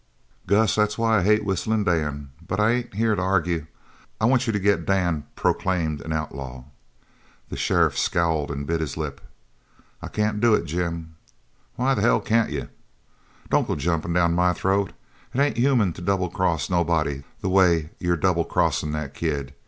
"Gus, that's why I hate Whistlin' Dan, but I ain't here to argue. I want you to get Dan proclaimed an outlaw." The sheriff scowled and bit his lip. "I can't do it, Jim." "Why the hell can't you?" "Don't go jumpin' down my throat. It ain't human to double cross nobody the way you're double crossin' that kid.